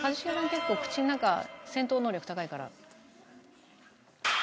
結構口の中戦闘能力高いから。